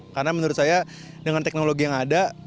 karena menurut saya dengan teknologi yang ada